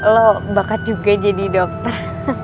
lo bakat juga jadi dokter